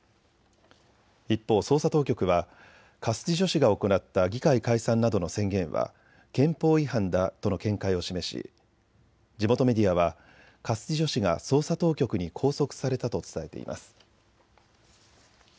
一方、捜査当局はカスティジョ氏が行った議会解散などの宣言は憲法違反だとの見解を示し地元メディアはカスティジョ氏が捜査当局に拘束されたと伝えています。